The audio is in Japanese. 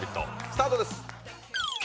スタートです。